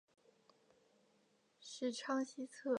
十仓西侧。